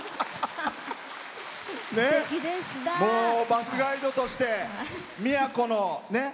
バスガイドとして宮古の。